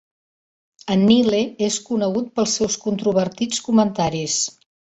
En Nile és conegut pels seus controvertits comentaris.